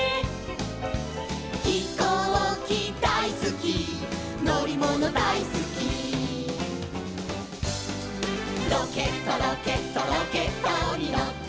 「ひこうきだいすきのりものだいすき」「ロケットロケットロケットにのって」